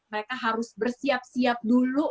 mereka harus bersiap siap dulu